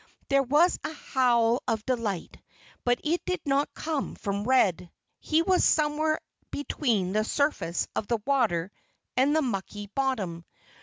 There was a howl of delight. But it did not come from Red. He was somewhere between the surface of the water and the mucky bottom.